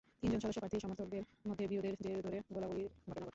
তিনজন সদস্য প্রার্থীর সমর্থকদের মধ্যে বিরোধের জের ধরে গোলাগুলির ঘটনা ঘটে।